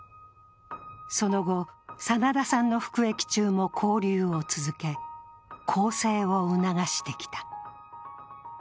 その後、真田さんの服役中も交流を続け、更生を促してきた。